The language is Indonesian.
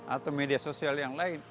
atau media sosial yang lain